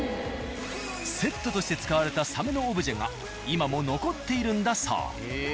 セットとして使われたサメのオブジェが今も残っているんだそう。